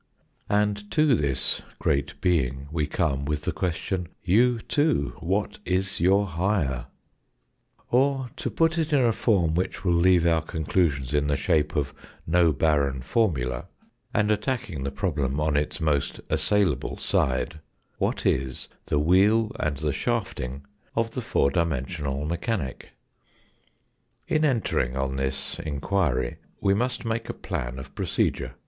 And to this great being we come with the question :" You, too, what is your higher ?" Or to put it in a form which will leave our conclusions in the shape of no barren formula, and attacking the problem on its most assailable side :" What is the wheel and the shafting of the four dimensional mechanic ?" In entering on this enquiry we must make a plan of procedure.